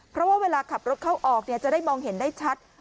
เพราะว่าเวลาขับรถเข้าออกจะได้มองเห็นได้ชัด